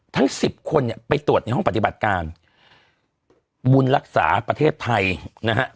สิบคนเนี่ยไปตรวจในห้องปฏิบัติการบุญรักษาประเทศไทยนะฮะ